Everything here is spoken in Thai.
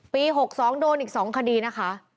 ปีหกศูนย์สองโดยอีกสองคดีนะคะ